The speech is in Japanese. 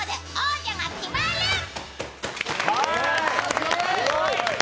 すごい！